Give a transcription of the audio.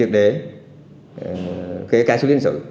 để kể cả xử lý hình sự